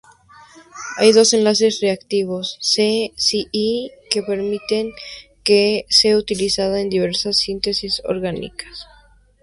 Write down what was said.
Hay dos enlaces reactivos C–Cl que permiten que sea utilizada en diversas síntesis orgánicas.